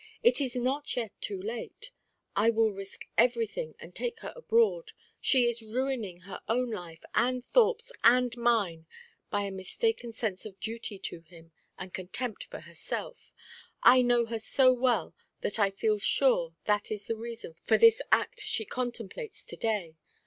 It is not yet too late. I will risk everything and take her abroad. She is ruining her own life and Thorpe's and mine by a mistaken sense of duty to him, and contempt for herself: I know her so well that I feel sure that is the reason for this act she contemplates to day.